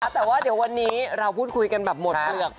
แต่ว่าเดี๋ยววันนี้เราพูดคุยกันแบบหมดเปลือก